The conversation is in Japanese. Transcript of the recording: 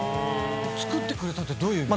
作ってくれたってどういう。